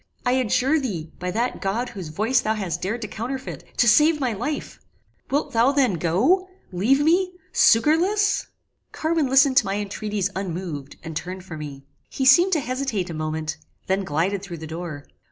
I adjure thee, by that God whose voice thou hast dared to counterfeit, to save my life! "Wilt thou then go? leave me! Succourless!" Carwin listened to my intreaties unmoved, and turned from me. He seemed to hesitate a moment: then glided through the door.